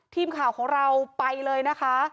ทีมข่าวของเราไปเลยนะคะ